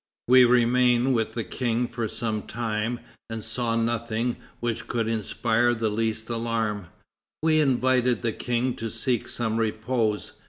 We remained with the King for some time, and saw nothing which could inspire the least alarm. We invited the King to seek some repose.